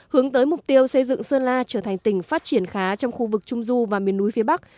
hướng tới mục tiêu xây dựng sơn la trở thành tỉnh phát triển khá trong khu vực trung du và miền núi phía bắc